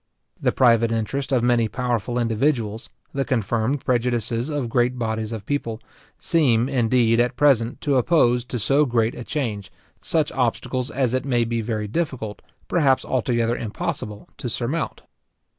The private interest of many powerful individuals, the confirmed prejudices of great bodies of people, seem, indeed, at present, to oppose to so great a change, such obstacles as it may be very difficult, perhaps altogether impossible, to surmount.